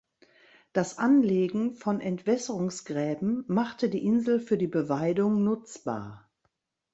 Das Anlegen von Entwässerungsgräben machte die Insel für die Beweidung nutzbar.